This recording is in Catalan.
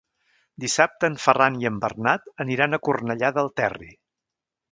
Dissabte en Ferran i en Bernat aniran a Cornellà del Terri.